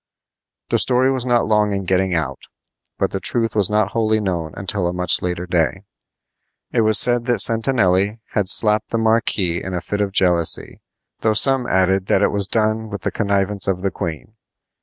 The story was not long in getting out, but the truth was not wholly known until a much later day. It was said that Sentanelli had slapped the marquis in a fit of jealousy, though some added that it was done with the connivance of the queen.